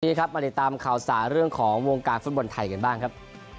ครับมาติดตามข่าวสารเรื่องของวงการฟุตบอลไทยกันบ้างครับ